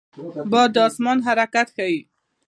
باد د آسمان حرکت ښيي